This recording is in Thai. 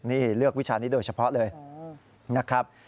นี่เลือกวิชานี้โดยเฉพาะเลยนะครับ